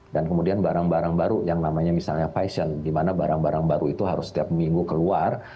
dan kemudian barang barang baru yang namanya misalnya fashion di mana barang barang baru itu harus setiap minggu keluar